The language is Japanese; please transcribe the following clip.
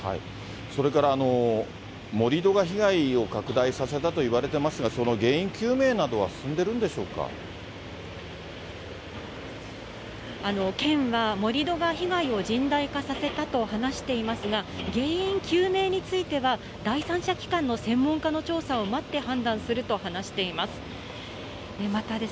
それから、盛り土が被害を拡大させたといわれていますが、その原因究明など県は、盛り土が被害を甚大化させたと話していますが、原因究明については、第三者機関の専門家の調査を待って判断すると話しています。